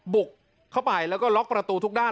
บุกเข้าไปแล้วก็ล็อกประตูทุกด้าน